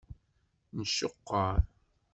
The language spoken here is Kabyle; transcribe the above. Nceqqer.